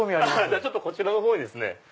じゃあこちらのほうにですね。